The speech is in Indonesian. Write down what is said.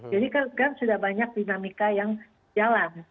jadi kan sudah banyak dinamika yang jalan